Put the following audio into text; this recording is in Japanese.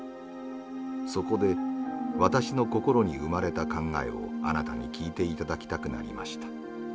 そこで私の心に生まれた考えをあなたに聞いて頂きたくなりました。